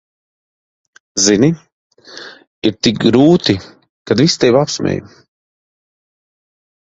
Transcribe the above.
Zini, ir tik grūti, kad visi tevi apsmej.